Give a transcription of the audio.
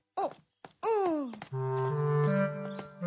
うん。